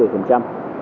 từ tám đến một mươi